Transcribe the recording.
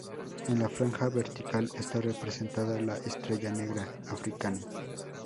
En la franja vertical está representada la "Estrella negra africana".